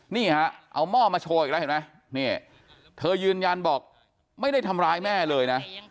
นี่ฮะเอาหม้อมาโชว์อีกแล้วเห็นไหมนี่เธอยืนยันบอกไม่ได้ทำร้ายแม่เลยนะ